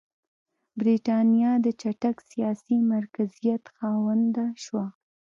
برېټانیا د چټک سیاسي مرکزیت خاونده شوه.